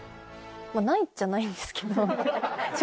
ないっちゃないんですけど。